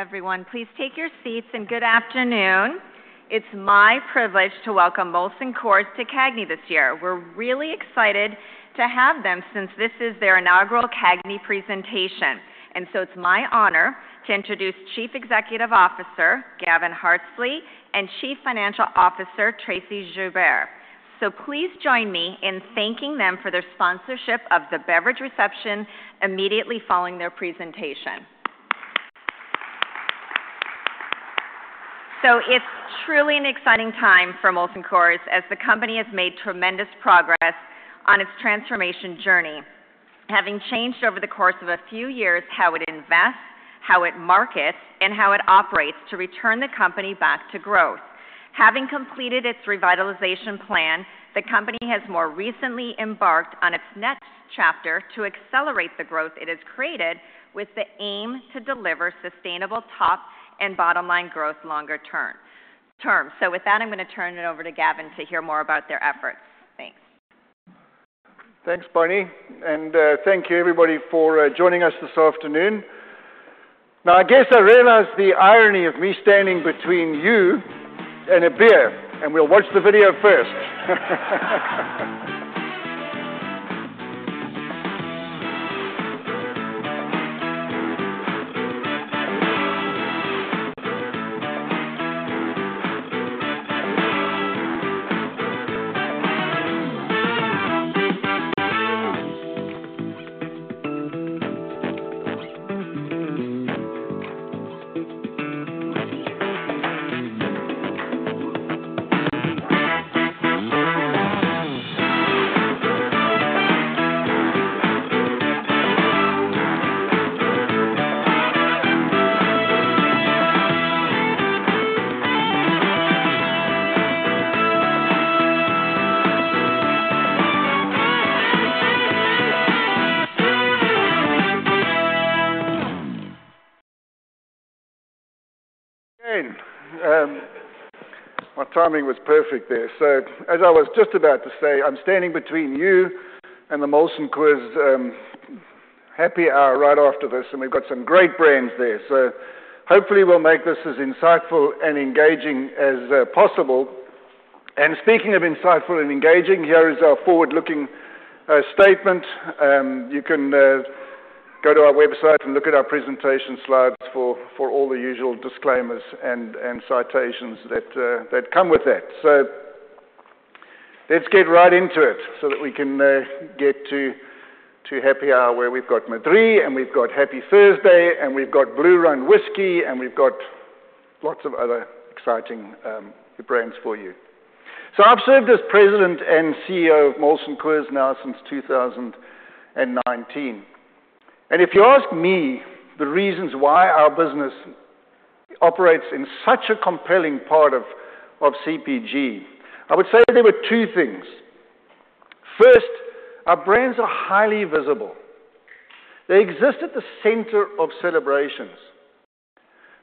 Everyone, please take your seats and good afternoon. It's my privilege to welcome Molson Coors to CAGNY this year. We're really excited to have them since this is their inaugural CAGNY presentation, and so it's my honor to introduce Chief Executive Officer Gavin Hattersley and Chief Financial Officer Tracey Joubert. So please join me in thanking them for their sponsorship of the beverage reception immediately following their presentation. So it's truly an exciting time for Molson Coors as the company has made tremendous progress on its transformation journey, having changed over the course of a few years how it invests, how it markets, and how it operates to return the company back to growth. Having completed its revitalization plan, the company has more recently embarked on its next chapter to accelerate the growth it has created with the aim to deliver sustainable top and bottom line growth longer term. With that, I'm going to turn it over to Gavin to hear more about their efforts. Thanks. Thanks, Barney. Thank you, everybody, for joining us this afternoon. Now, I guess I realize the irony of me standing between you and a beer, and we'll watch the video first. Okay. My timing was perfect there. So as I was just about to say, I'm standing between you and the Molson Coors happy hour right after this, and we've got some great brands there. So hopefully we'll make this as insightful and engaging as possible. And speaking of insightful and engaging, here is our forward-looking statement. You can go to our website and look at our presentation slides for all the usual disclaimers and citations that come with that. So let's get right into it so that we can get to happy hour where we've got Madrí and we've got Happy Thursday and we've got Blue Run Whiskey and we've got lots of other exciting brands for you. So I've served as President and CEO of Molson Coors now since 2019. If you ask me the reasons why our business operates in such a compelling part of CPG, I would say there were two things. First, our brands are highly visible. They exist at the center of celebrations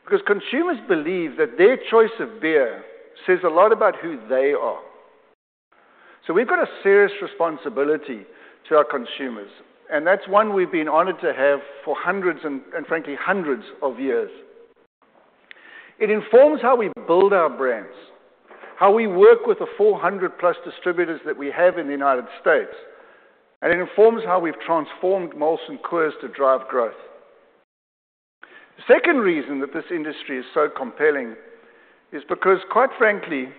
because consumers believe that their choice of beer says a lot about who they are. So we've got a serious responsibility to our consumers, and that's one we've been honored to have for hundreds and frankly, hundreds of years. It informs how we build our brands, how we work with the 400+ distributors that we have in the United States, and it informs how we've transformed Molson Coors to drive growth. The second reason that this industry is so compelling is because, quite frankly,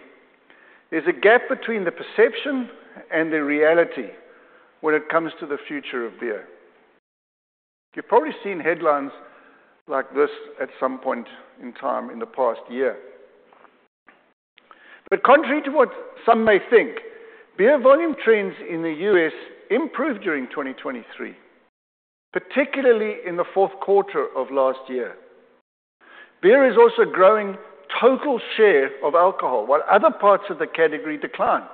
there's a gap between the perception and the reality when it comes to the future of beer. You've probably seen headlines like this at some point in time in the past year. Contrary to what some may think, beer volume trends in the U.S. improved during 2023, particularly in the fourth quarter of last year. Beer is also growing total share of alcohol while other parts of the category decline,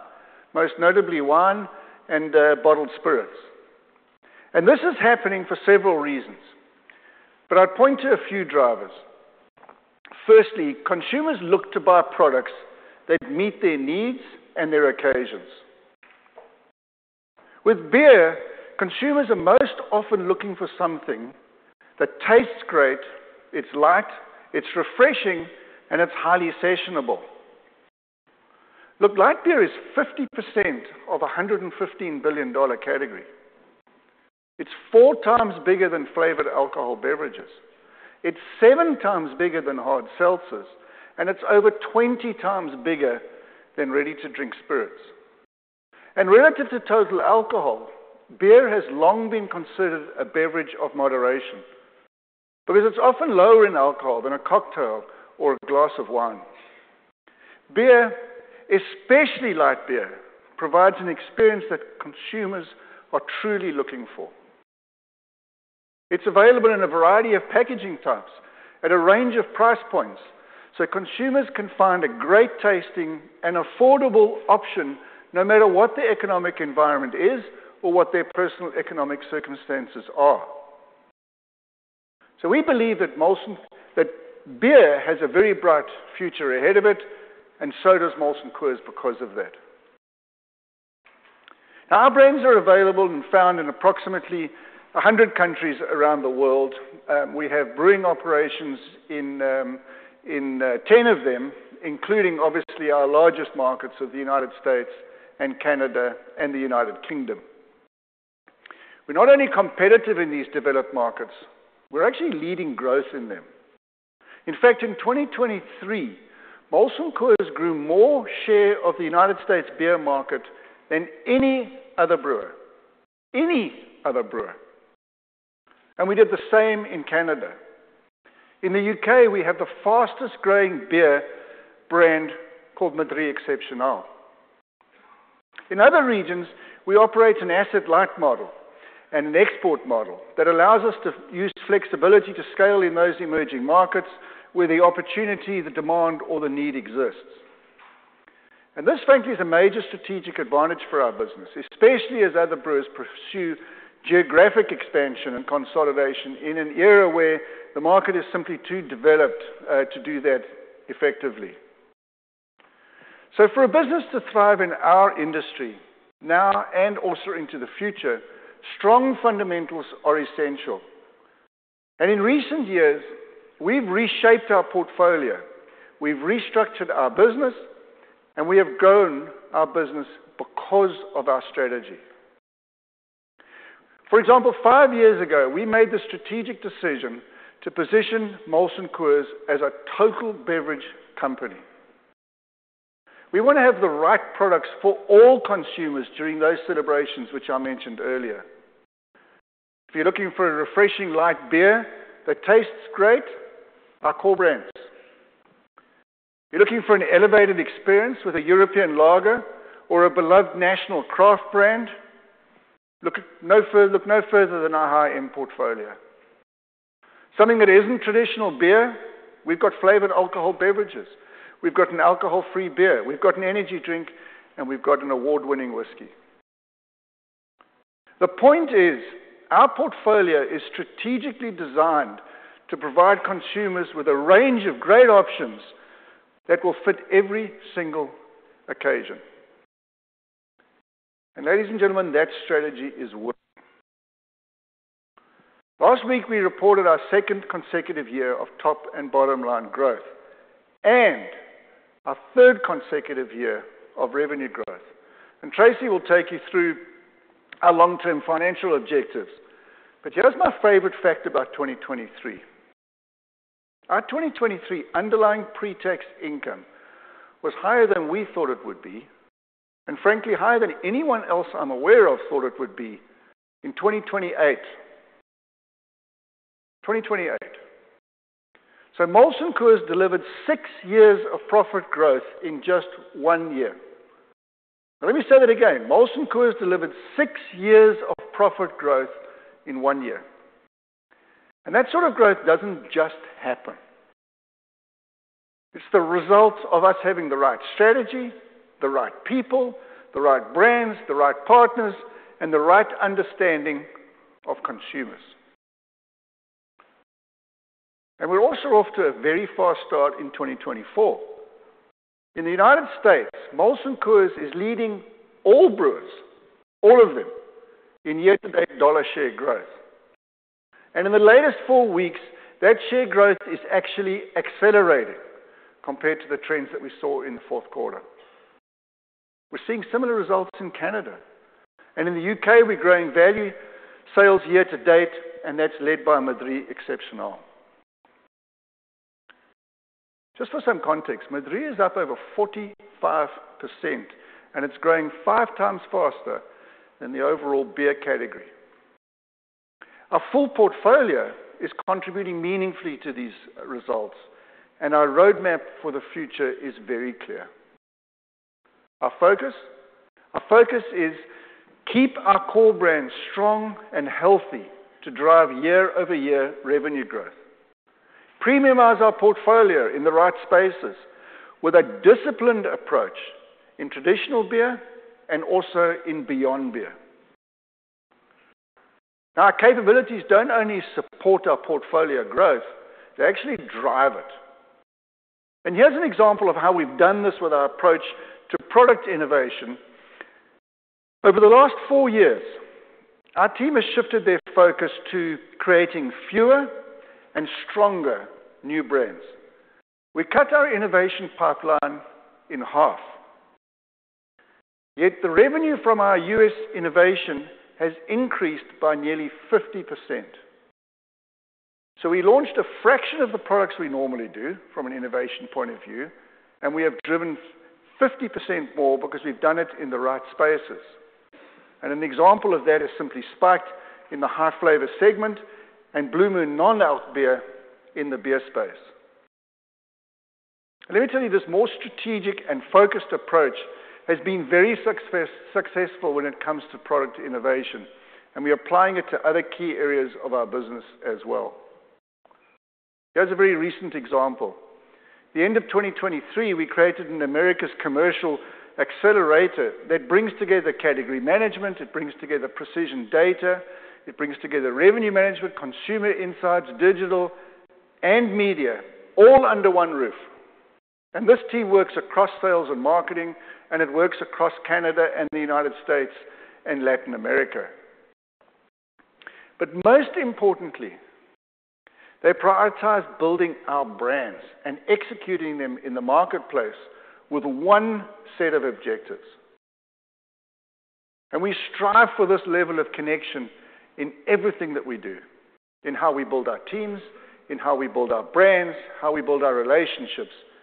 most notably wine and bottled spirits. This is happening for several reasons, but I'd point to a few drivers. Firstly, consumers look to buy products that meet their needs and their occasions. With beer, consumers are most often looking for something that tastes great, it's light, it's refreshing, and it's highly sessionable. Look, light beer is 50% of a $115 billion category. It's four times bigger than flavored alcohol beverages. It's seven times bigger than hard seltzers, and it's over 20 times bigger than ready-to-drink spirits. Relative to total alcohol, beer has long been considered a beverage of moderation because it's often lower in alcohol than a cocktail or a glass of wine. Beer, especially light beer, provides an experience that consumers are truly looking for. It's available in a variety of packaging types at a range of price points so consumers can find a great tasting and affordable option no matter what the economic environment is or what their personal economic circumstances are. So we believe that beer has a very bright future ahead of it, and so does Molson Coors because of that. Now, our brands are available and found in approximately 100 countries around the world. We have brewing operations in 10 of them, including obviously our largest markets of the United States and Canada and the United Kingdom. We're not only competitive in these developed markets, we're actually leading growth in them. In fact, in 2023, Molson Coors grew more share of the United States beer market than any other brewer, any other brewer. We did the same in Canada. In the U.K., we have the fastest-growing beer brand called Madrí Excepcional. In other regions, we operate an asset-light model and an export model that allows us to use flexibility to scale in those emerging markets where the opportunity, the demand, or the need exists. This, frankly, is a major strategic advantage for our business, especially as other brewers pursue geographic expansion and consolidation in an era where the market is simply too developed to do that effectively. For a business to thrive in our industry now and also into the future, strong fundamentals are essential. In recent years, we've reshaped our portfolio, we've restructured our business, and we have grown our business because of our strategy. For example, five years ago, we made the strategic decision to position Molson Coors as a total beverage company. We want to have the right products for all consumers during those celebrations which I mentioned earlier. If you're looking for a refreshing light beer that tastes great, our core brands. If you're looking for an elevated experience with a European lager or a beloved national craft brand, look no further than our high-end portfolio. Something that isn't traditional beer, we've got flavored alcohol beverages. We've got an alcohol-free beer. We've got an energy drink, and we've got an award-winning whiskey. The point is our portfolio is strategically designed to provide consumers with a range of great options that will fit every single occasion. Ladies and gentlemen, that strategy is working. Last week, we reported our second consecutive year of top and bottom line growth and our third consecutive year of revenue growth. Tracey will take you through our long-term financial objectives. Here's my favorite fact about 2023. Our 2023 underlying pre-tax income was higher than we thought it would be, and frankly, higher than anyone else I'm aware of thought it would be in 2028. 2028. Molson Coors delivered six years of profit growth in just one year. Now, let me say that again. Molson Coors delivered six years of profit growth in one year. That sort of growth doesn't just happen. It's the result of us having the right strategy, the right people, the right brands, the right partners, and the right understanding of consumers. We're also off to a very fast start in 2024. In the United States, Molson Coors is leading all brewers, all of them, in year-to-date dollar share growth. In the latest four weeks, that share growth is actually accelerating compared to the trends that we saw in the fourth quarter. We're seeing similar results in Canada. In the U.K., we're growing value sales year-to-date, and that's led by Madrí Excepcional. Just for some context, Madrí is up over 45%, and it's growing five times faster than the overall beer category. Our full portfolio is contributing meaningfully to these results, and our roadmap for the future is very clear. Our focus is to keep our core brands strong and healthy to drive year-over-year revenue growth, premiumize our portfolio in the right spaces with a disciplined approach in traditional beer and also in beyond beer. Now, our capabilities don't only support our portfolio growth, they actually drive it. Here's an example of how we've done this with our approach to product innovation. Over the last four years, our team has shifted their focus to creating fewer and stronger new brands. We cut our innovation pipeline in half. Yet the revenue from our U.S. innovation has increased by nearly 50%. We launched a fraction of the products we normally do from an innovation point of view, and we have driven 50% more because we've done it in the right spaces. An example of that has Simply Spiked in the high-flavor segment and Blue Moon non-alc beer in the beer space. Let me tell you, this more strategic and focused approach has been very successful when it comes to product innovation, and we're applying it to other key areas of our business as well. Here's a very recent example. The end of 2023, we created an Americas Commercial Accelerator that brings together category management, it brings together precision data, it brings together revenue management, consumer insights, digital, and media, all under one roof. This team works across sales and marketing, and it works across Canada and the United States and Latin America. Most importantly, they prioritize building our brands and executing them in the marketplace with one set of objectives. We strive for this level of connection in everything that we do, in how we build our teams, in how we build our brands, how we build our relationships, and how we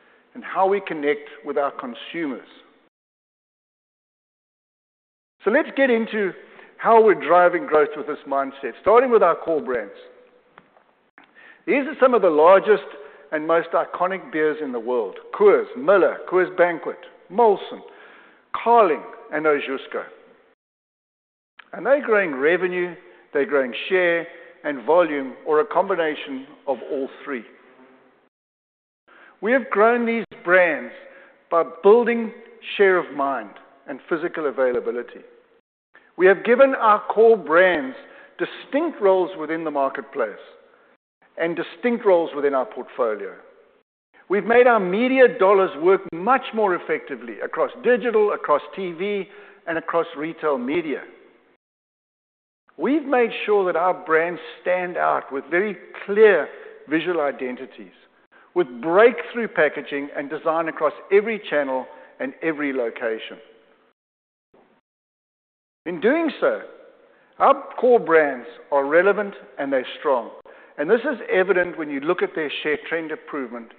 connect with our consumers. Let's get into how we're driving growth with this mindset, starting with our core brands. These are some of the largest and most iconic beers in the world: Coors, Miller, Coors Banquet, Molson, Carling, and Ožujsko. They're growing revenue, they're growing share, and volume, or a combination of all three. We have grown these brands by building share of mind and physical availability. We have given our core brands distinct roles within the marketplace and distinct roles within our portfolio. We've made our media dollars work much more effectively across digital, across TV, and across retail media. We've made sure that our brands stand out with very clear visual identities, with breakthrough packaging and design across every channel and every location. In doing so, our core brands are relevant and they're strong. This is evident when you look at their share trend improvement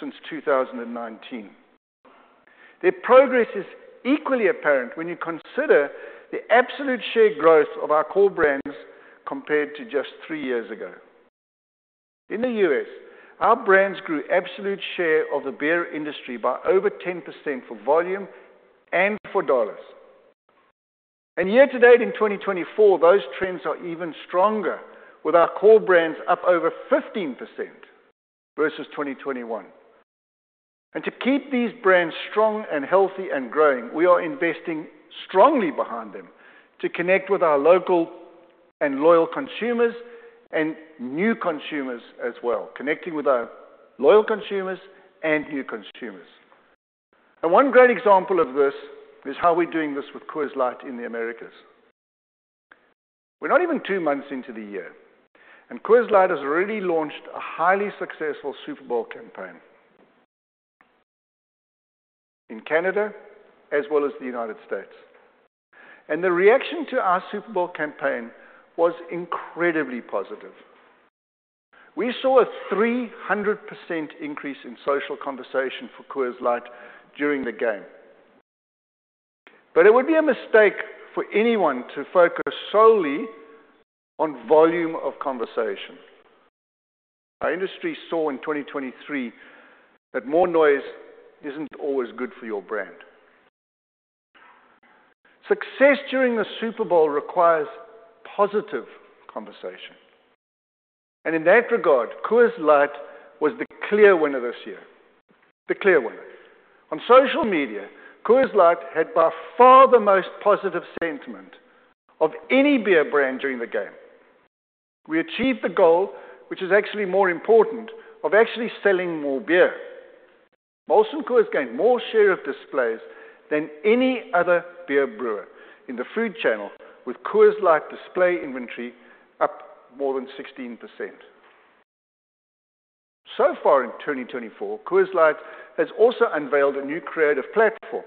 since 2019. Their progress is equally apparent when you consider the absolute share growth of our core brands compared to just three years ago. In the U.S., our brands grew absolute share of the beer industry by over 10% for volume and for dollars. Year-to-date in 2024, those trends are even stronger with our core brands up over 15% versus 2021. To keep these brands strong and healthy and growing, we are investing strongly behind them to connect with our local and loyal consumers and new consumers as well, connecting with our loyal consumers and new consumers. One great example of this is how we're doing this with Coors Light in the Americas. We're not even two months into the year, and Coors Light has already launched a highly successful Super Bowl campaign in Canada as well as the United States. The reaction to our Super Bowl campaign was incredibly positive. We saw a 300% increase in social conversation for Coors Light during the game. But it would be a mistake for anyone to focus solely on volume of conversation. Our industry saw in 2023 that more noise isn't always good for your brand. Success during the Super Bowl requires positive conversation. And in that regard, Coors Light was the clear winner this year, the clear winner. On social media, Coors Light had by far the most positive sentiment of any beer brand during the game. We achieved the goal, which is actually more important, of actually selling more beer. Molson Coors gained more share of displays than any other beer brewer in the food channel with Coors Light display inventory up more than 16%. So far in 2024, Coors Light has also unveiled a new creative platform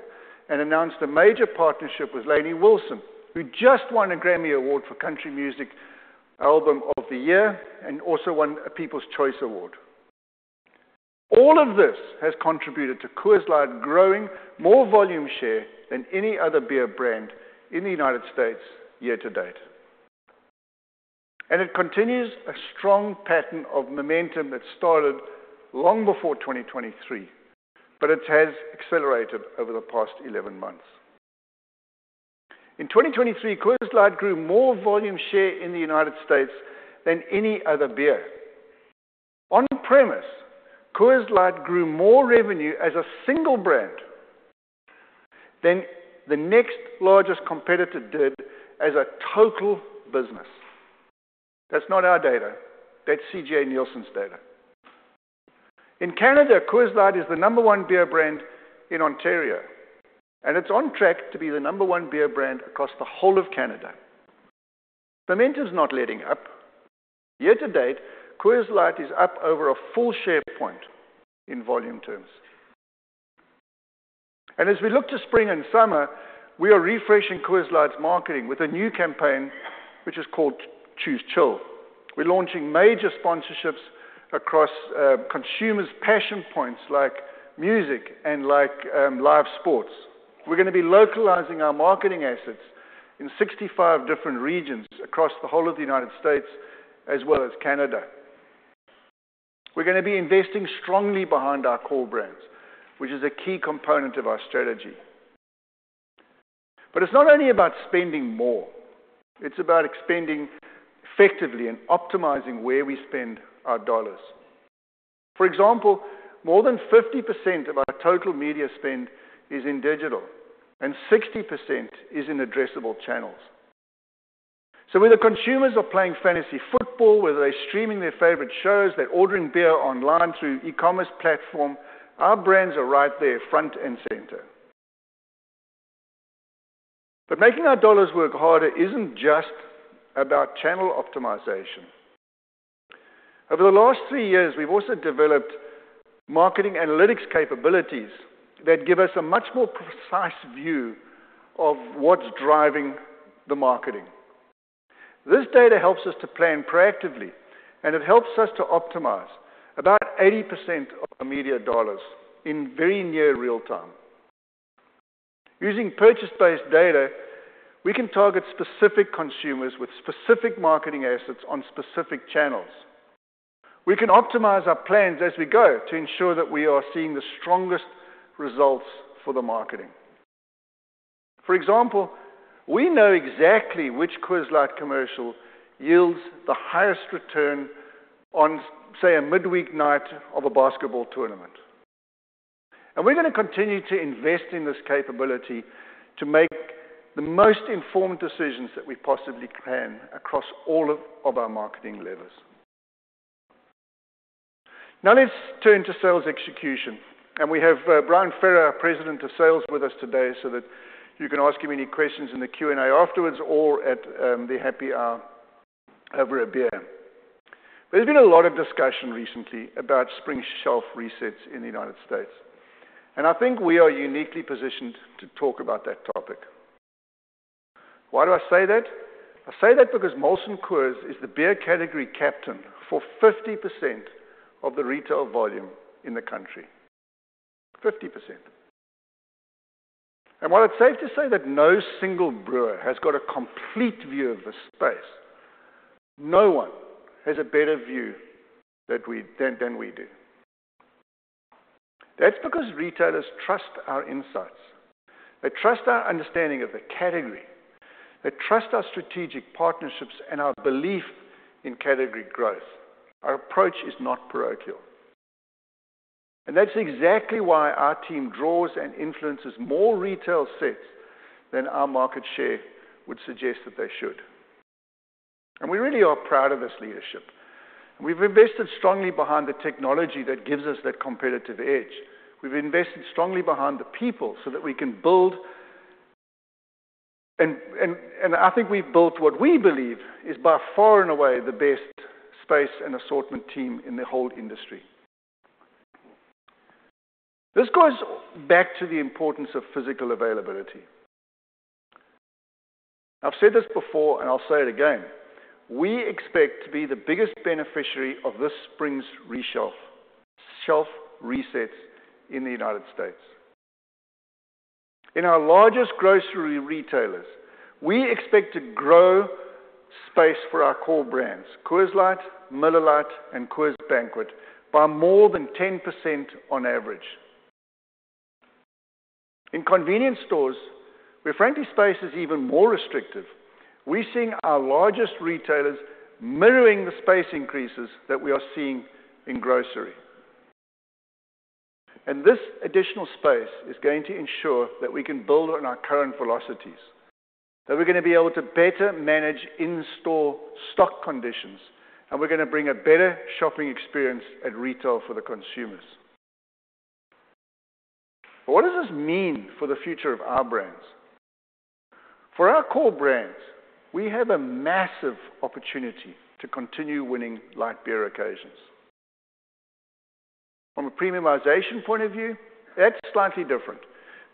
and announced a major partnership with Lainey Wilson, who just won a Grammy Award for Country Music Album of the Year and also won a People's Choice Award. All of this has contributed to Coors Light growing more volume share than any other beer brand in the United States year-to-date. It continues a strong pattern of momentum that started long before 2023, but it has accelerated over the past 11 months. In 2023, Coors Light grew more volume share in the United States than any other beer. On-premise, Coors Light grew more revenue as a single brand than the next largest competitor did as a total business. That's not our data. That's CGA Nielsen's data. In Canada, Coors Light is the number one beer brand in Ontario, and it's on track to be the number one beer brand across the whole of Canada. Momentum's not letting up. Year-to-date, Coors Light is up over a full share point in volume terms. As we look to spring and summer, we are refreshing Coors Light's marketing with a new campaign which is called Choose Chill. We're launching major sponsorships across consumers' passion points like music and like live sports. We're going to be localizing our marketing assets in 65 different regions across the whole of the United States as well as Canada. We're going to be investing strongly behind our core brands, which is a key component of our strategy. It's not only about spending more. It's about expending effectively and optimizing where we spend our dollars. For example, more than 50% of our total media spend is in digital, and 60% is in addressable channels. So whether consumers are playing fantasy football, whether they're streaming their favorite shows, they're ordering beer online through e-commerce platforms, our brands are right there, front and center. But making our dollars work harder isn't just about channel optimization. Over the last three years, we've also developed marketing analytics capabilities that give us a much more precise view of what's driving the marketing. This data helps us to plan proactively, and it helps us to optimize about 80% of our media dollars in very near real time. Using purchase-based data, we can target specific consumers with specific marketing assets on specific channels. We can optimize our plans as we go to ensure that we are seeing the strongest results for the marketing. For example, we know exactly which Coors Light commercial yields the highest return on, say, a midweek night of a basketball tournament. And we're going to continue to invest in this capability to make the most informed decisions that we possibly can across all of our marketing levels. Now, let's turn to sales execution. And we have Brian Feiro, our president of sales, with us today so that you can ask him any questions in the Q&A afterwards or at the happy hour over a beer. But there's been a lot of discussion recently about spring shelf resets in the United States. And I think we are uniquely positioned to talk about that topic. Why do I say that? I say that because Molson Coors is the beer category captain for 50% of the retail volume in the country, 50%. And while it's safe to say that no single brewer has got a complete view of the space, no one has a better view than we do. That's because retailers trust our insights. They trust our understanding of the category. They trust our strategic partnerships and our belief in category growth. Our approach is not parochial. And that's exactly why our team draws and influences more retail sets than our market share would suggest that they should. And we really are proud of this leadership. And we've invested strongly behind the technology that gives us that competitive edge. We've invested strongly behind the people so that we can build, and I think we've built what we believe is by far and away the best space and assortment team in the whole industry. This goes back to the importance of physical availability. I've said this before, and I'll say it again. We expect to be the biggest beneficiary of this spring's shelf resets in the United States. In our largest grocery retailers, we expect to grow space for our core brands, Coors Light, Miller Lite, and Coors Banquet, by more than 10% on average. In convenience stores, where frankly space is even more restrictive, we're seeing our largest retailers mirroring the space increases that we are seeing in grocery. This additional space is going to ensure that we can build on our current velocities, that we're going to be able to better manage in-store stock conditions, and we're going to bring a better shopping experience at retail for the consumers. What does this mean for the future of our brands? For our core brands, we have a massive opportunity to continue winning light beer occasions. From a premiumization point of view, that's slightly different.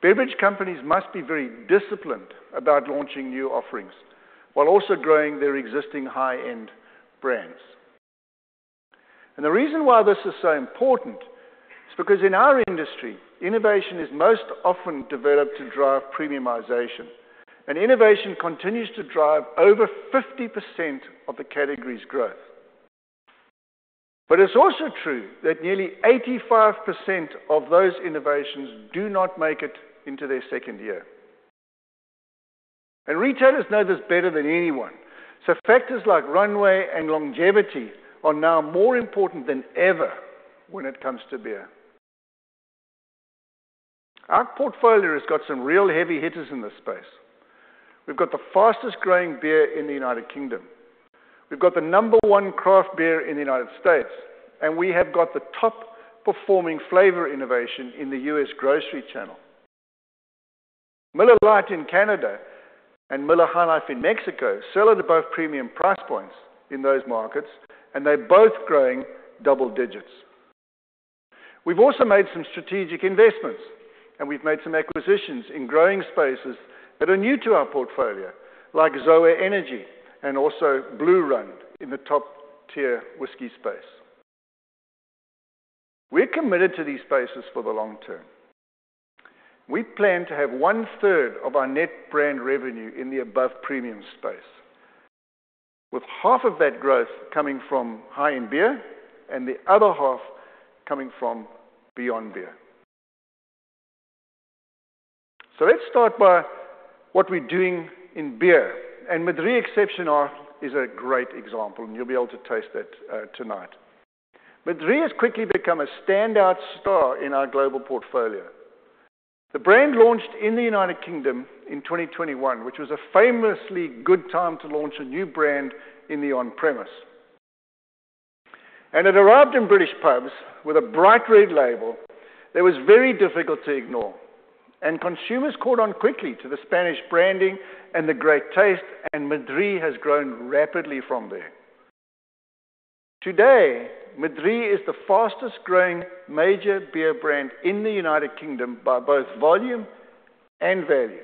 Beverage companies must be very disciplined about launching new offerings while also growing their existing high-end brands. The reason why this is so important is because in our industry, innovation is most often developed to drive premiumization. Innovation continues to drive over 50% of the category's growth. It's also true that nearly 85% of those innovations do not make it into their second year. Retailers know this better than anyone. Factors like runway and longevity are now more important than ever when it comes to beer. Our portfolio has got some real heavy hitters in this space. We've got the fastest growing beer in the United Kingdom. We've got the number one craft beer in the United States. And we have got the top performing flavor innovation in the U.S. grocery channel. Miller Lite in Canada and Miller High Life in Mexico sell at both premium price points in those markets, and they're both growing double digits. We've also made some strategic investments, and we've made some acquisitions in growing spaces that are new to our portfolio, like ZOA Energy and also Blue Run in the top-tier whiskey space. We're committed to these spaces for the long term. We plan to have one-third of our net brand revenue in the above premium space, with half of that growth coming from high-end beer and the other half coming from beyond beer. So let's start by what we're doing in beer. Madrí Excepcional is a great example, and you'll be able to taste that tonight. Madrí has quickly become a standout star in our global portfolio. The brand launched in the United Kingdom in 2021, which was a famously good time to launch a new brand in the on-premise. It arrived in British pubs with a bright red label that was very difficult to ignore. Consumers caught on quickly to the Spanish branding and the great taste, and Madrí has grown rapidly from there. Today, Madrí is the fastest growing major beer brand in the United Kingdom by both volume and value.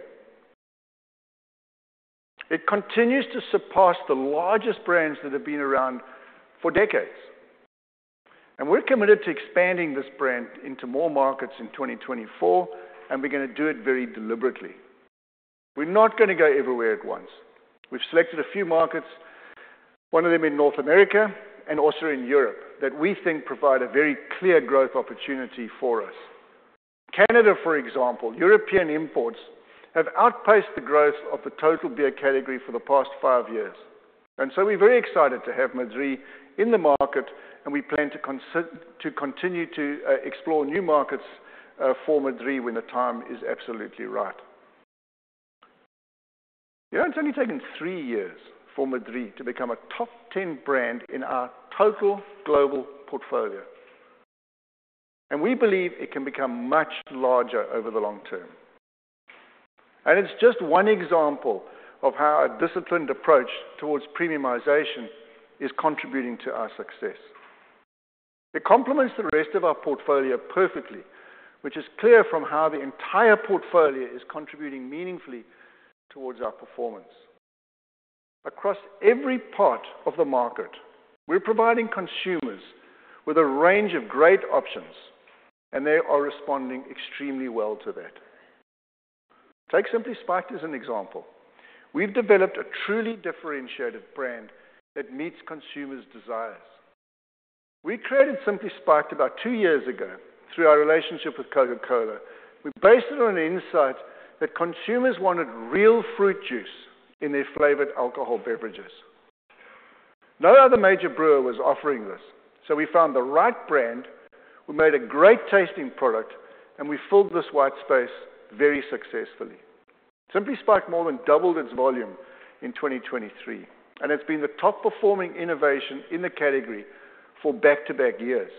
It continues to surpass the largest brands that have been around for decades. We're committed to expanding this brand into more markets in 2024, and we're going to do it very deliberately. We're not going to go everywhere at once. We've selected a few markets, one of them in North America and also in Europe, that we think provide a very clear growth opportunity for us. Canada, for example, European imports have outpaced the growth of the total beer category for the past five years. And so we're very excited to have Madrí in the market, and we plan to continue to explore new markets for Madrí when the time is absolutely right. It's only taken three years for Madrí to become a top 10 brand in our total global portfolio. And we believe it can become much larger over the long term. And it's just one example of how a disciplined approach towards premiumization is contributing to our success. It complements the rest of our portfolio perfectly, which is clear from how the entire portfolio is contributing meaningfully towards our performance. Across every part of the market, we're providing consumers with a range of great options, and they are responding extremely well to that. Take Simply Spiked as an example. We've developed a truly differentiated brand that meets consumers' desires. We created Simply Spiked about two years ago through our relationship with Coca-Cola. We based it on an insight that consumers wanted real fruit juice in their flavored alcohol beverages. No other major brewer was offering this, so we found the right brand, we made a great tasting product, and we filled this white space very successfully. Simply Spiked more than doubled its volume in 2023, and it's been the top performing innovation in the category for back-to-back years.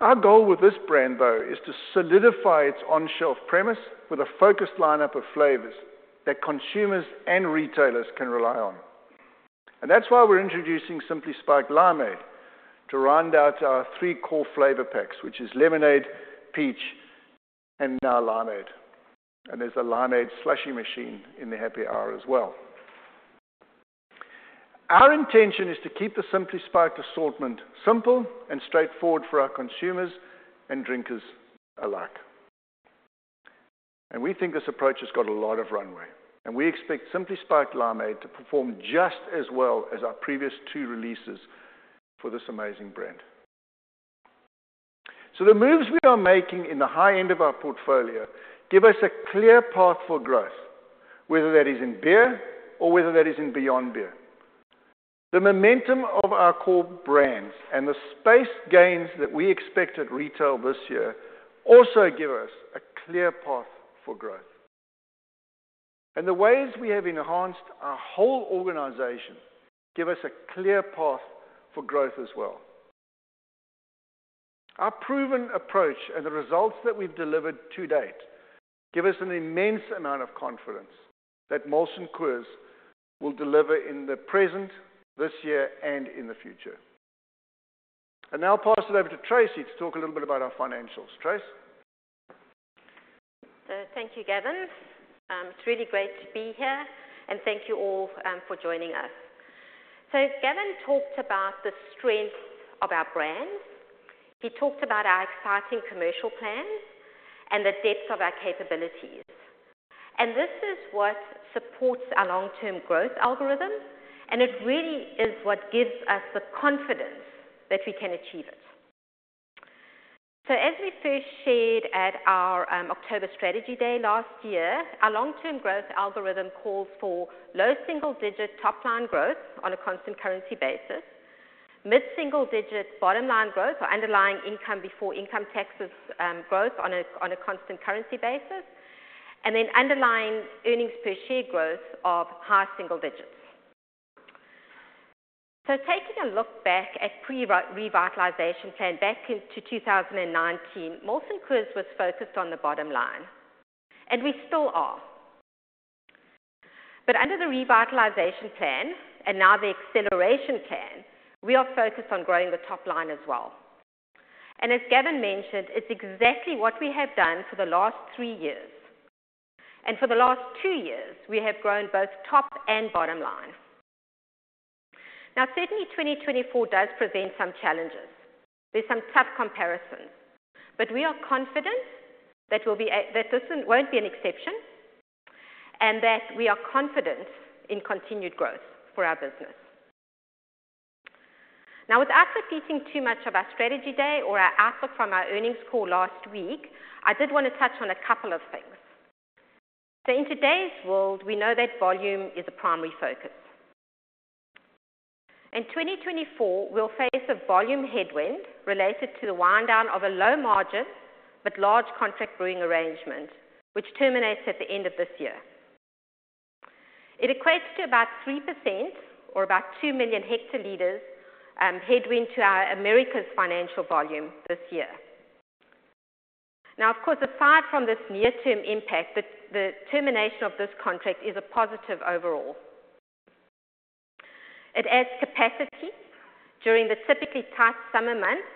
Our goal with this brand, though, is to solidify its on-shelf premise with a focused lineup of flavors that consumers and retailers can rely on. And that's why we're introducing Simply Spiked Limeade to round out our 3 core flavor packs, which are lemonade, peach, and now limeade. And there's a limeade slushie machine in the happy hour as well. Our intention is to keep the Simply Spiked assortment simple and straightforward for our consumers and drinkers alike. We think this approach has got a lot of runway. We expect Simply Spiked Limeade to perform just as well as our previous two releases for this amazing brand. The moves we are making in the high end of our portfolio give us a clear path for growth, whether that is in beer or whether that is in beyond beer. The momentum of our core brands and the space gains that we expect at retail this year also give us a clear path for growth. The ways we have enhanced our whole organization give us a clear path for growth as well. Our proven approach and the results that we've delivered to date give us an immense amount of confidence that Molson Coors will deliver in the present, this year, and in the future. Now I'll pass it over to Tracey to talk a little bit about our financials. Tracey? Thank you, Gavin. It's really great to be here, and thank you all for joining us. Gavin talked about the strengths of our brands. He talked about our exciting commercial plans and the depths of our capabilities. This is what supports our long-term growth algorithm, and it really is what gives us the confidence that we can achieve it. As we first shared at our October Strategy Day last year, our long-term growth algorithm calls for low single-digit top-line growth on a constant currency basis, mid-single-digit bottom-line growth or underlying income before income taxes growth on a constant currency basis, and then underlying earnings per share growth of high single digits. Taking a look back at the revitalization plan back to 2019, Molson Coors was focused on the bottom line, and we still are. But under the revitalization plan, and now the acceleration plan, we are focused on growing the top line as well. And as Gavin mentioned, it's exactly what we have done for the last 3 years. And for the last 2 years, we have grown both top and bottom line. Now, certainly, 2024 does present some challenges. There's some tough comparisons. But we are confident that this won't be an exception, and that we are confident in continued growth for our business. Now, without repeating too much of our Strategy Day or our outlook from our earnings call last week, I did want to touch on a couple of things. So in today's world, we know that volume is a primary focus. In 2024, we'll face a volume headwind related to the winddown of a low-margin but large contract brewing arrangement, which terminates at the end of this year. It equates to about 3% or about 2 million hectoliters headwind to America's financial volume this year. Now, of course, aside from this near-term impact, the termination of this contract is a positive overall. It adds capacity during the typically tight summer months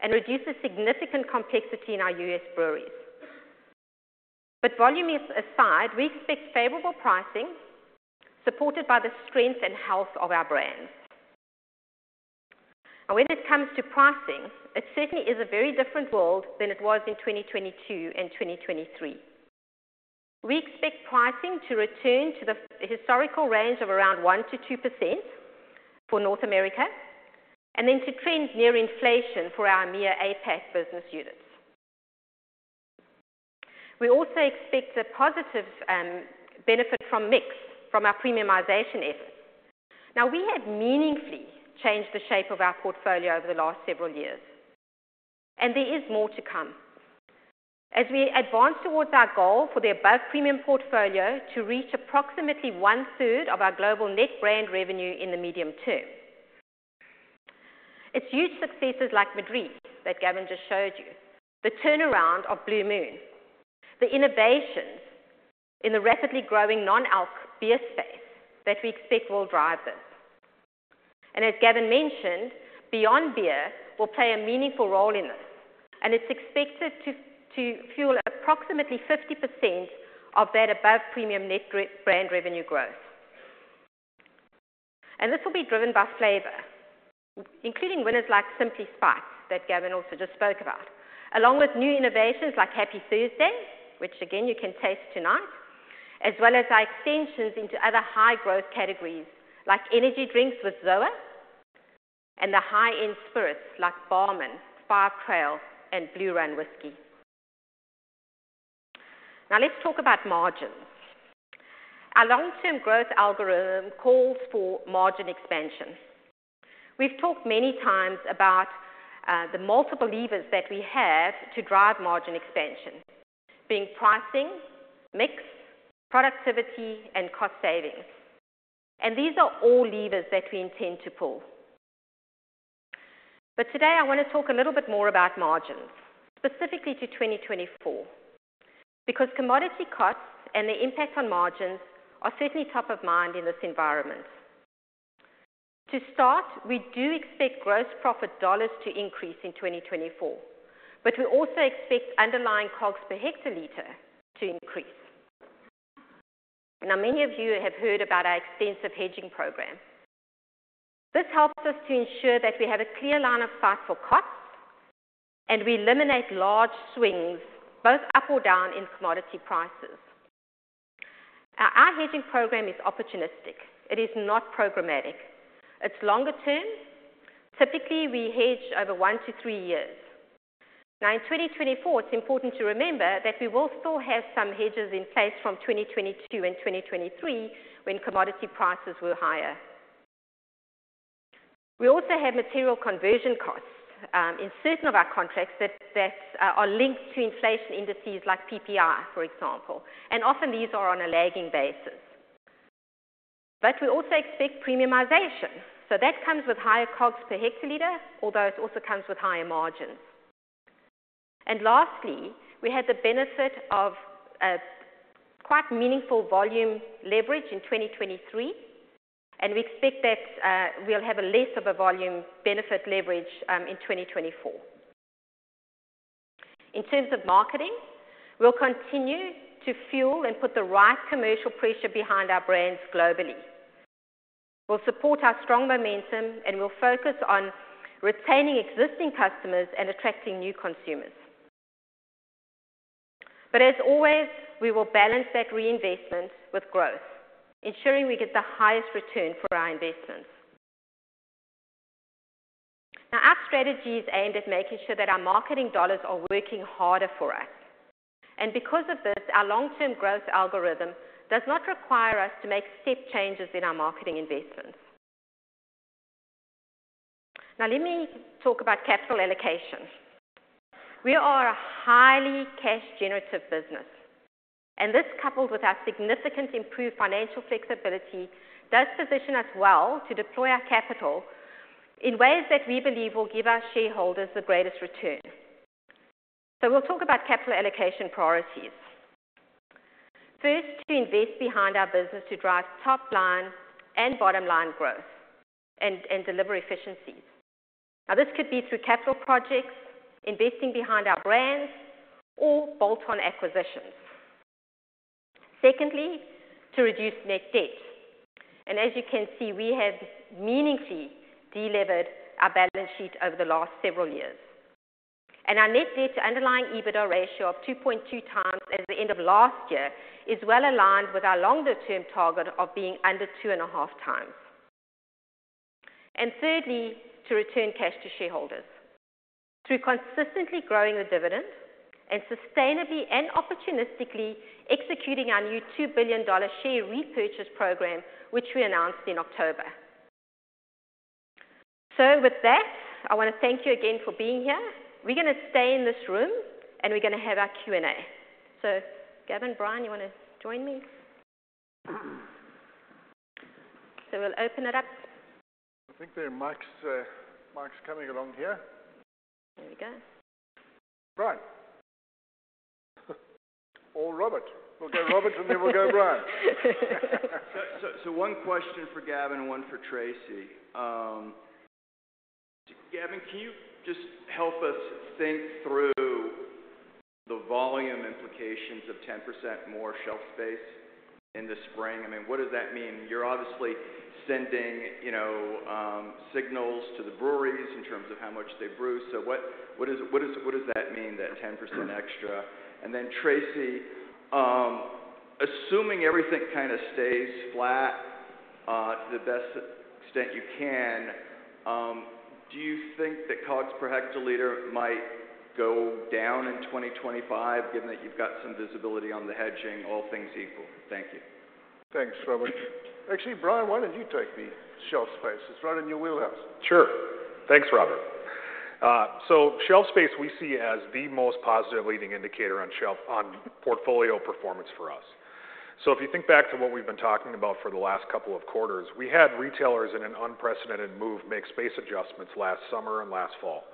and reduces significant complexity in our U.S. breweries. But volume aside, we expect favorable pricing supported by the strength and health of our brands. And when it comes to pricing, it certainly is a very different world than it was in 2022 and 2023. We expect pricing to return to the historical range of around 1%-2% for North America, and then to trend near inflation for our EMEA and APAC business units. We also expect a positive benefit from mix from our premiumization efforts. Now, we have meaningfully changed the shape of our portfolio over the last several years. And there is more to come. As we advance towards our goal for the above premium portfolio to reach approximately one-third of our global net brand revenue in the medium term, it's huge successes like Madrí that Gavin just showed you, the turnaround of Blue Moon, the innovations in the rapidly growing non-alc beer space that we expect will drive this. As Gavin mentioned, beyond beer will play a meaningful role in this, and it's expected to fuel approximately 50% of that above premium net brand revenue growth. This will be driven by flavor, including winners like Simply Spiked that Gavin also just spoke about, along with new innovations like Happy Thursday, which, again, you can taste tonight, as well as our extensions into other high-growth categories like energy drinks with ZOA and the high-end spirits like Blue Run, Five Trail, and Blue Run whiskey. Now, let's talk about margins. Our long-term growth algorithm calls for margin expansion. We've talked many times about the multiple levers that we have to drive margin expansion, being pricing, mix, productivity, and cost savings. These are all levers that we intend to pull. But today, I want to talk a little bit more about margins, specifically to 2024, because commodity costs and their impact on margins are certainly top of mind in this environment. To start, we do expect gross profit dollars to increase in 2024, but we also expect underlying COGS per hectoliter to increase. Now, many of you have heard about our extensive hedging program. This helps us to ensure that we have a clear line of sight for costs, and we eliminate large swings, both up or down, in commodity prices. Our hedging program is opportunistic. It is not programmatic. It's longer term. Typically, we hedge over 1-3 years. Now, in 2024, it's important to remember that we will still have some hedges in place from 2022 and 2023 when commodity prices were higher. We also have material conversion costs in certain of our contracts that are linked to inflation indices like PPI, for example, and often these are on a lagging basis. But we also expect premiumization. So that comes with higher COGS per hectoliter, although it also comes with higher margins. And lastly, we had the benefit of quite meaningful volume leverage in 2023, and we expect that we'll have less of a volume benefit leverage in 2024. In terms of marketing, we'll continue to fuel and put the right commercial pressure behind our brands globally. We'll support our strong momentum, and we'll focus on retaining existing customers and attracting new consumers. But as always, we will balance that reinvestment with growth, ensuring we get the highest return for our investments. Now, our strategy is aimed at making sure that our marketing dollars are working harder for us. And because of this, our long-term growth algorithm does not require us to make step changes in our marketing investments. Now, let me talk about capital allocation. We are a highly cash-generative business. And this, coupled with our significant improved financial flexibility, does position us well to deploy our capital in ways that we believe will give our shareholders the greatest return. So we'll talk about capital allocation priorities. First, to invest behind our business to drive top-line and bottom-line growth and deliver efficiencies. Now, this could be through capital projects, investing behind our brands, or bolt-on acquisitions. Secondly, to reduce net debt. As you can see, we have meaningfully delivered our balance sheet over the last several years. Our net debt to underlying EBITDA ratio of 2.2x at the end of last year is well aligned with our longer-term target of being under 2.5x. Thirdly, to return cash to shareholders through consistently growing the dividend and sustainably and opportunistically executing our new $2 billion share repurchase program, which we announced in October. So with that, I want to thank you again for being here. We're going to stay in this room, and we're going to have our Q&A. So Gavin, Brian, you want to join me? So we'll open it up. I think there are mics coming along here. There we go. Brian. Or Robert. We'll go Robert, and then we'll go Brian. So one question for Gavin and one for Tracey. Gavin, can you just help us think through the volume implications of 10% more shelf space in the spring? I mean, what does that mean? You're obviously sending signals to the breweries in terms of how much they brew. So what does that mean, that 10% extra? And then, Tracey, assuming everything kind of stays flat to the best extent you can, do you think that COGS per hectoliter might go down in 2025, given that you've got some visibility on the hedging, all things equal? Thank you. Thanks, Robert. Actually, Brian, why don't you take the shelf space? It's right in your wheelhouse. Sure. Thanks, Robert. So shelf space, we see as the most positive leading indicator on portfolio performance for us. So if you think back to what we've been talking about for the last couple of quarters, we had retailers in an unprecedented move make space adjustments last summer and last fall.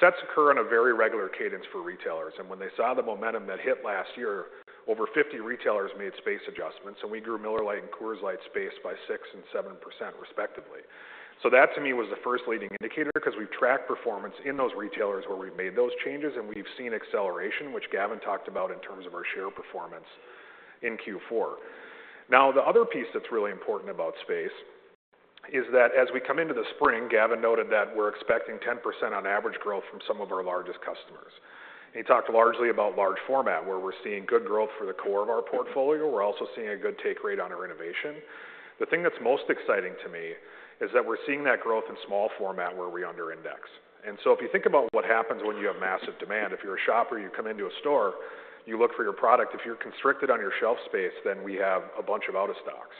Sets occur on a very regular cadence for retailers. And when they saw the momentum that hit last year, over 50 retailers made space adjustments, and we grew Miller Lite and Coors Light space by 6% and 7%, respectively. So that, to me, was the first leading indicator because we've tracked performance in those retailers where we've made those changes, and we've seen acceleration, which Gavin talked about in terms of our share performance in Q4. Now, the other piece that's really important about space is that as we come into the spring, Gavin noted that we're expecting 10% on average growth from some of our largest customers. He talked largely about large format, where we're seeing good growth for the core of our portfolio. We're also seeing a good take rate on our innovation. The thing that's most exciting to me is that we're seeing that growth in small format where we under-index. So if you think about what happens when you have massive demand, if you're a shopper, you come into a store, you look for your product. If you're constricted on your shelf space, then we have a bunch of out-of-stocks.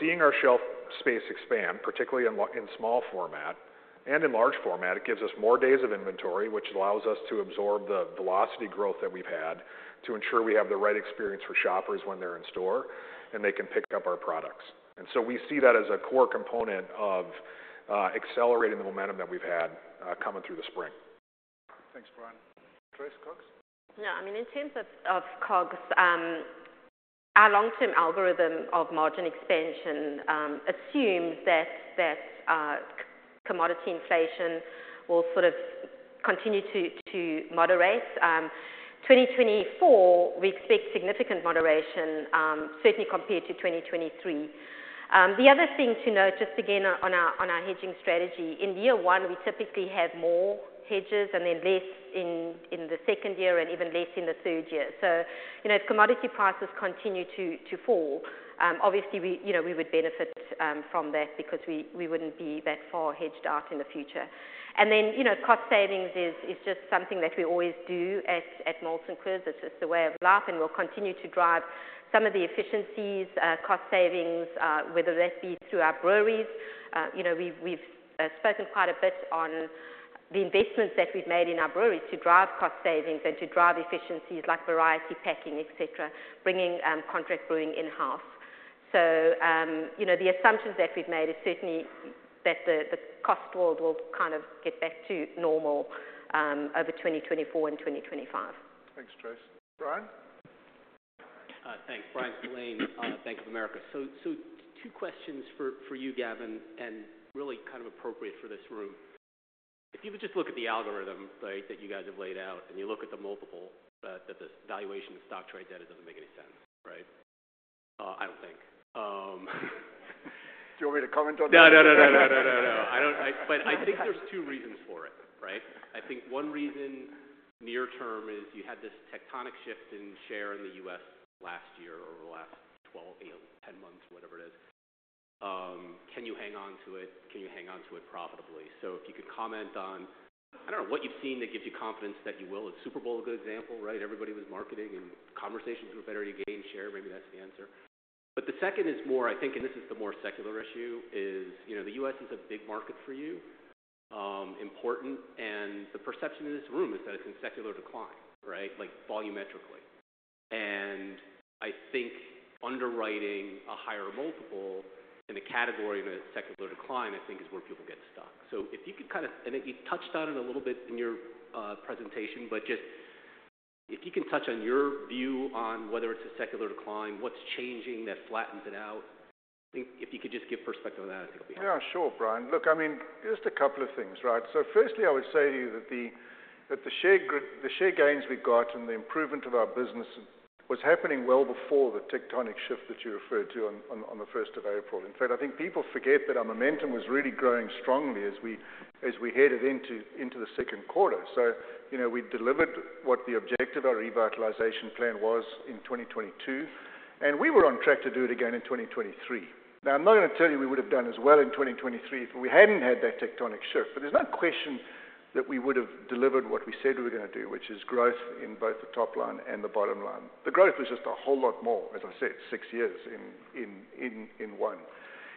Seeing our shelf space expand, particularly in small format and in large format, it gives us more days of inventory, which allows us to absorb the velocity growth that we've had to ensure we have the right experience for shoppers when they're in store, and they can pick up our products. We see that as a core component of accelerating the momentum that we've had coming through the spring. Thanks, Brian. Tracey, COGS? Yeah. I mean, in terms of COGS, our long-term algorithm of margin expansion assumes that commodity inflation will sort of continue to moderate. 2024, we expect significant moderation, certainly compared to 2023. The other thing to note, just again, on our hedging strategy, in year one, we typically have more hedges and then less in the second year and even less in the third year. So if commodity prices continue to fall, obviously, we would benefit from that because we wouldn't be that far hedged out in the future. And then cost savings is just something that we always do at Molson Coors. It's just a way of life, and we'll continue to drive some of the efficiencies, cost savings, whether that be through our breweries. We've spoken quite a bit on the investments that we've made in our breweries to drive cost savings and to drive efficiencies like variety packing, etc., bringing contract brewing in-house. The assumptions that we've made are certainly that the cost world will kind of get back to normal over 2024 and 2025. Thanks, Tracey. Brian? Thanks. Brian Spillane, Bank of America. So two questions for you, Gavin, and really kind of appropriate for this room. If you just look at the algorithm that you guys have laid out, and you look at the multiple, that the valuation of stock trade data doesn't make any sense, right? I don't think. Do you want me to comment on that? No, no, no, no, no, no, no, no. But I think there's two reasons for it, right? I think one reason near-term is you had this tectonic shift in share in the U.S. last year over the last 12, 10 months, whatever it is. Can you hang on to it? Can you hang on to it profitably? So if you could comment on, I don't know, what you've seen that gives you confidence that you will. Is Super Bowl a good example, right? Everybody was marketing, and conversations were better to gain share. Maybe that's the answer. But the second is more, I think, and this is the more secular issue, is the U.S. is a big market for you, important. And the perception in this room is that it's in secular decline, right, volumetrically. I think underwriting a higher multiple in a category in a secular decline, I think, is where people get stuck. So if you could kind of and you touched on it a little bit in your presentation, but just if you can touch on your view on whether it's a secular decline, what's changing that flattens it out? I think if you could just give perspective on that, I think it'll be helpful. Yeah, sure, Brian. Look, I mean, just a couple of things, right? So firstly, I would say to you that the share gains we got and the improvement of our business was happening well before the tectonic shift that you referred to on the 1st of April. In fact, I think people forget that our momentum was really growing strongly as we headed into the second quarter. So we delivered what the objective of our revitalization plan was in 2022, and we were on track to do it again in 2023. Now, I'm not going to tell you we would have done as well in 2023 if we hadn't had that tectonic shift. But there's no question that we would have delivered what we said we were going to do, which is growth in both the top line and the bottom line. The growth was just a whole lot more, as I said, 6 years in one.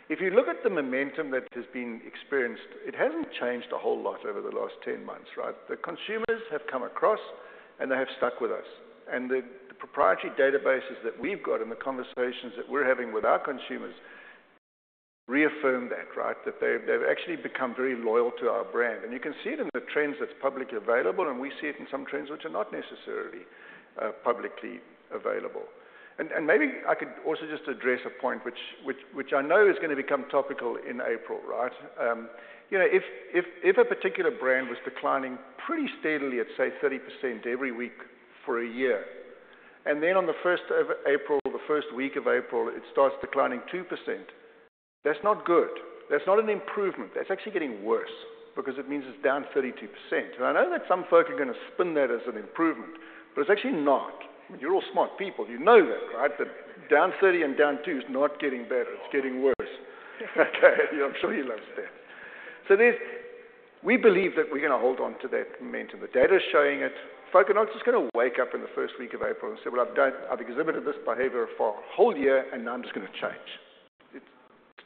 If you look at the momentum that has been experienced, it hasn't changed a whole lot over the last 10 months, right? The consumers have come across, and they have stuck with us. And the proprietary databases that we've got and the conversations that we're having with our consumers reaffirm that, right, that they've actually become very loyal to our brand. And you can see it in the trends that's publicly available, and we see it in some trends which are not necessarily publicly available. And maybe I could also just address a point, which I know is going to become topical in April, right? If a particular brand was declining pretty steadily at, say, 30% every week for a year, and then on the 1st of April, the first week of April, it starts declining 2%, that's not good. That's not an improvement. That's actually getting worse because it means it's down 32%. And I know that some folk are going to spin that as an improvement, but it's actually not. I mean, you're all smart people. You know that, right, that down 30 and down 2 is not getting better. It's getting worse. Okay? I'm sure you love stats. So we believe that we're going to hold on to that momentum. The data is showing it. Folk are not just going to wake up in the first week of April and say, "Well, I've exhibited this behavior for a whole year, and now I'm just going to change." It's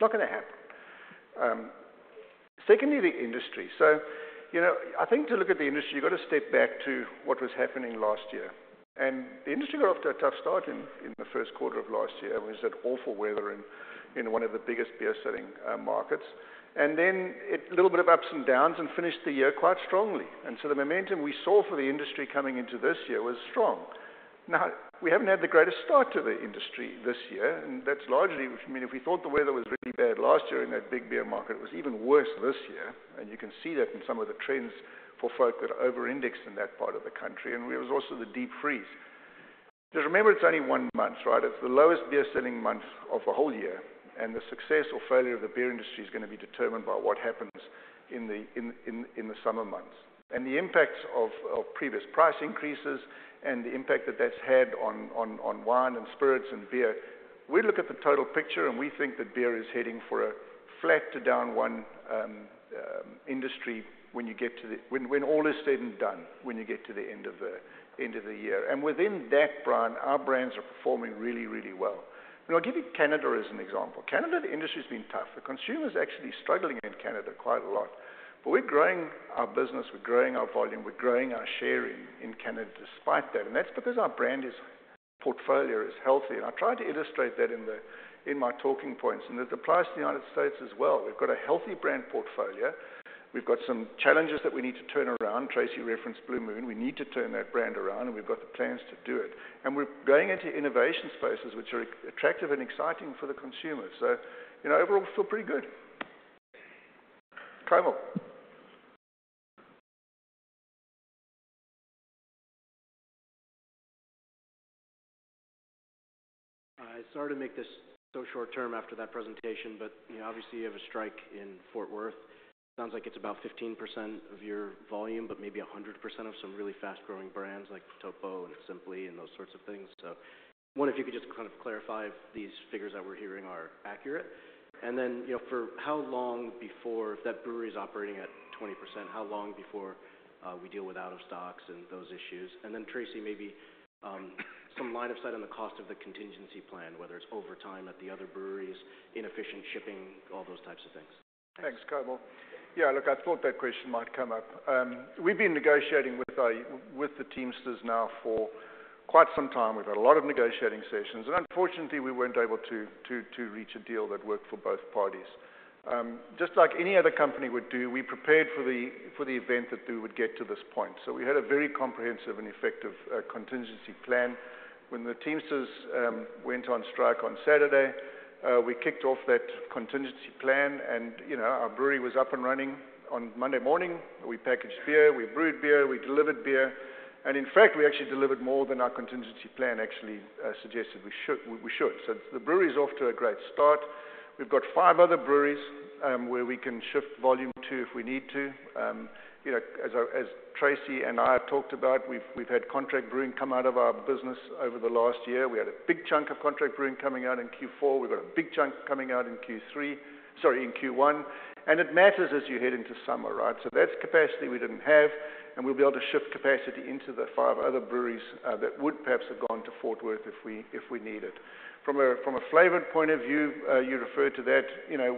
not going to happen. Secondly, the industry. So I think to look at the industry, you've got to step back to what was happening last year. The industry got off to a tough start in the first quarter of last year. It was awful weather in one of the biggest beer-selling markets. Then a little bit of ups and downs and finished the year quite strongly. So the momentum we saw for the industry coming into this year was strong. Now, we haven't had the greatest start to the industry this year. And that's largely, I mean, if we thought the weather was really bad last year in that big beer market, it was even worse this year. And you can see that in some of the trends for folks that are over-indexed in that part of the country. And there was also the deep freeze. Just remember, it's only one month, right? It's the lowest beer-selling month of a whole year. And the success or failure of the beer industry is going to be determined by what happens in the summer months and the impacts of previous price increases and the impact that that's had on wine and spirits and beer. We look at the total picture, and we think that beer is heading for a flat to down one industry when you get to all is said and done, when you get to the end of the year. And within that, Brian, our brands are performing really, really well. And I'll give you Canada as an example. Canada, the industry has been tough. The consumer is actually struggling in Canada quite a lot. But we're growing our business. We're growing our volume. We're growing our share in Canada despite that. And that's because our brand portfolio is healthy. And I try to illustrate that in my talking points. And this applies to the United States as well. We've got a healthy brand portfolio. We've got some challenges that we need to turn around. Tracey referenced Blue Moon. We need to turn that brand around, and we've got the plans to do it. And we're going into innovation spaces which are attractive and exciting for the consumer. So overall, we feel pretty good. Kamil? I'm sorry to make this so short-term after that presentation, but obviously, you have a strike in Fort Worth. Sounds like it's about 15% of your volume, but maybe 100% of some really fast-growing brands like Topo and Simply and those sorts of things. So I wonder if you could just kind of clarify if these figures that we're hearing are accurate. And then for how long before, if that brewery is operating at 20%, how long before we deal with out-of-stocks and those issues? And then, Tracey, maybe some line of sight on the cost of the contingency plan, whether it's overtime at the other breweries, inefficient shipping, all those types of things. Thanks, Kamil. Yeah, look, I thought that question might come up. We've been negotiating with the Teamsters now for quite some time. We've had a lot of negotiating sessions. Unfortunately, we weren't able to reach a deal that worked for both parties. Just like any other company would do, we prepared for the event that we would get to this point. We had a very comprehensive and effective contingency plan. When the Teamsters went on strike on Saturday, we kicked off that contingency plan, and our brewery was up and running. On Monday morning, we packaged beer. We brewed beer. We delivered beer. In fact, we actually delivered more than our contingency plan actually suggested we should. The brewery is off to a great start. We've got five other breweries where we can shift volume to if we need to. As Tracey and I have talked about, we've had contract brewing come out of our business over the last year. We had a big chunk of contract brewing coming out in Q4. We've got a big chunk coming out in Q3, sorry, in Q1. And it matters as you head into summer, right? So that's capacity we didn't have. And we'll be able to shift capacity into the five other breweries that would perhaps have gone to Fort Worth if we need it. From a flavored point of view, you referred to that.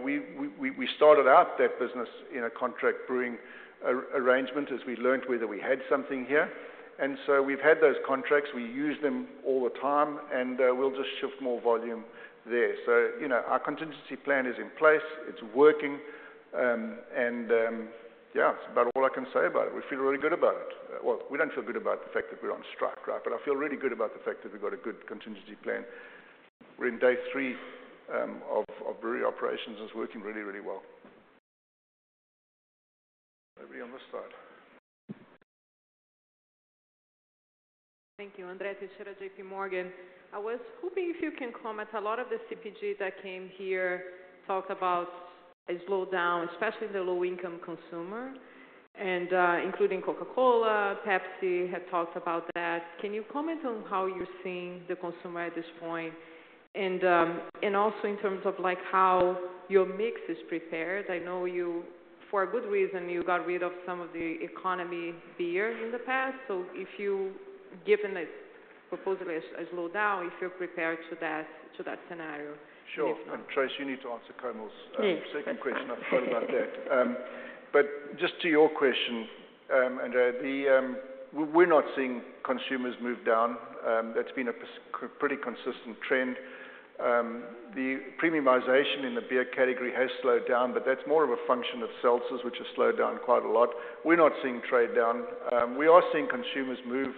We started out that business in a contract brewing arrangement as we learned whether we had something here. And so we've had those contracts. We use them all the time, and we'll just shift more volume there. So our contingency plan is in place. It's working. And yeah, it's about all I can say about it. We feel really good about it. Well, we don't feel good about the fact that we're on strike, right? But I feel really good about the fact that we've got a good contingency plan. We're in day 3 of brewery operations, and it's working really, really well. Everybody on this side? Thank you. Andrea Teixeira, JP Morgan. I was hoping if you can comment. A lot of the CPG that came here talked about a slowdown, especially in the low-income consumer, and including Coca-Cola, Pepsi had talked about that. Can you comment on how you're seeing the consumer at this point and also in terms of how your mix is prepared? I know you, for a good reason, you got rid of some of the economy beer in the past. So if you're given purportedly a slowdown, if you're prepared to that scenario. Sure. And Tracey, you need to answer Kamil's second question. I've thought about that. But just to your question, Andrea, we're not seeing consumers move down. That's been a pretty consistent trend. The premiumization in the beer category has slowed down, but that's more of a function of seltzers, which have slowed down quite a lot. We're not seeing trade down. We are seeing consumers move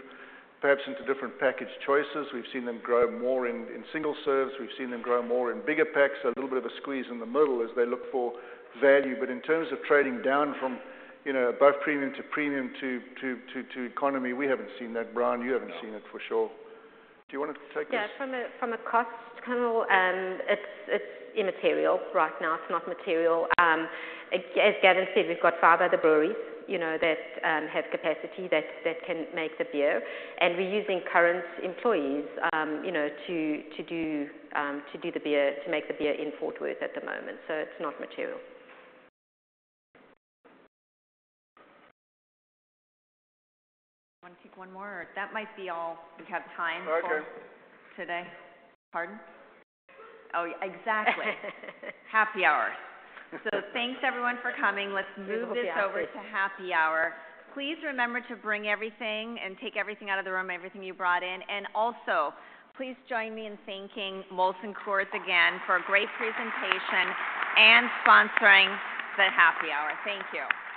perhaps into different package choices. We've seen them grow more in single serves. We've seen them grow more in bigger packs. A little bit of a squeeze in the middle as they look for value. But in terms of trading down from both premium to premium to economy, we haven't seen that. Brian, you haven't seen it for sure. Do you want to take this? Yeah. From a cost, Kamil, it's immaterial right now. It's not material. As Gavin said, we've got far better breweries that have capacity that can make the beer. And we're using current employees to do the beer, to make the beer in Fort Worth at the moment. So it's not material. I want to take one more. That might be all we have time for today. Pardon? Oh, exactly. Happy hour. So thanks, everyone, for coming. Let's move this over to happy hour. Please remember to bring everything and take everything out of the room, everything you brought in. And also, please join me in thanking Molson Coors again for a great presentation and sponsoring the happy hour. Thank you.